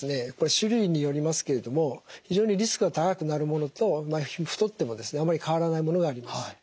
種類によりますけれども非常にリスクが高くなるものと太ってもですねあまり変わらないものがあります。